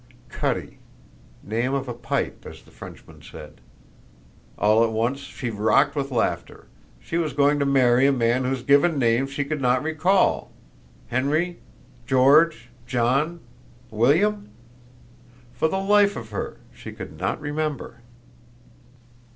Cutty name of a pipe, as the Frenchmen said! All at once she rocked with laughter. She was going to marry a man whose given name she could not recall! Henry, George, John, William? For the life of her she could not remember.